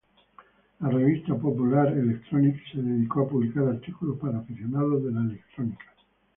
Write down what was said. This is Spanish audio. La revista "Popular Electronics" se dedicó a publicar artículos para aficionados de la electrónica.